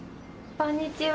こんにちは。